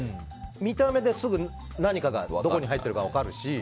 見た目ですぐ、何がどこに入っているかが分かるし。